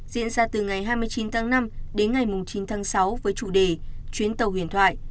diễn ra từ ngày hai mươi chín tháng năm đến ngày chín tháng sáu với chủ đề chuyến tàu huyền thoại